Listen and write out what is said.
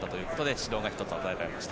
指導が１つ与えられました。